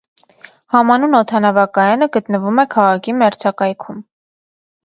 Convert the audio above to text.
Համանուն օդանավակայանը գտնվում է քաղաքի մերձակայքում։